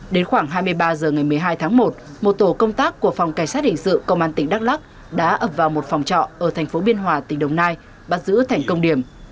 đến khoảng hai mươi ba h ngày một mươi hai tháng một một tổ công tác của phòng cảnh sát hình sự công an tỉnh đắk lắc đã ập vào một phòng trọ ở thành phố biên hòa tỉnh đồng nai bắt giữ thành công điểm